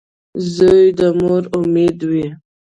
• زوی د مور امید وي.